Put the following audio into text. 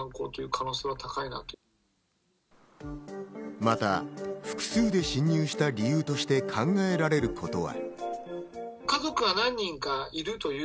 また、複数で侵入した理由として考えられることは。